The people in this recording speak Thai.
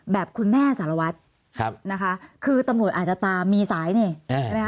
แบบคุณแม่สารวัตรนะคะคือตำรวจอาจจะตามมีสายเนี่ย